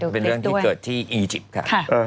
เป็นเรื่องที่เกิดที่อีจิปต์ค่ะ